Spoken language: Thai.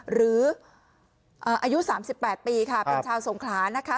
หรืออายุสามสิบแปดปีค่ะเป็นชาวสงขลานะคะ